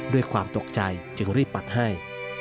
ด้วยความตกใจจึงรีบปัดให้